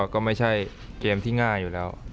ก็ไม่ใช่เกมที่ง่ายอยู่แล้ว